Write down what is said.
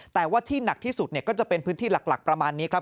แต่ว่าที่หนักที่สุดก็จะเป็นพื้นที่หลักประมาณนี้ครับ